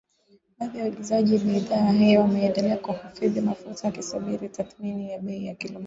Baadhi ya waagizaji bidhaa hiyo wameendelea kuhodhi mafuta wakisubiri tathmini ya bei ya kila mwezi